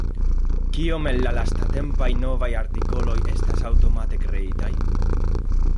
Kiom el la lastatempaj novaj artikoloj estas aŭtomate kreitaj?